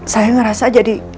saya ngerasa jadi